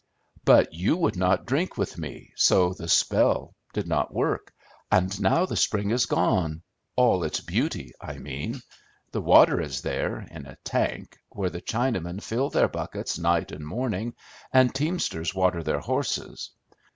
"But you would not drink with me, so the spell did not work; and now the spring is gone, all its beauty, I mean. The water is there, in a tank, where the Chinamen fill their buckets night and morning, and the teamsters water their horses.